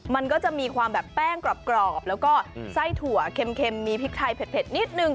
มันก็จะมีความแบบแป้งกรอบแล้วก็ไส้ถั่วเค็มมีพริกไทยเผ็ดนิดนึง